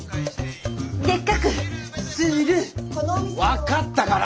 わかったから！